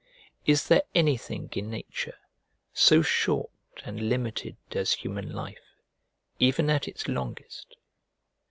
Is there anything in nature so short and limited as human life, even at its longest?